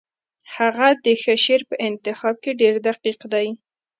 هغه د ښه شعر په انتخاب کې ډېر دقیق دی